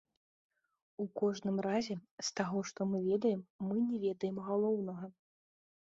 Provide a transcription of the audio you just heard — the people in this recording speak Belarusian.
У кожным разе, з таго, што мы ведаем, мы не ведаем галоўнага.